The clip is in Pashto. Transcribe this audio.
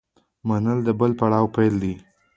منل د بل پړاو پیل دی.